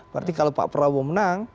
berarti kalau pak prabowo menang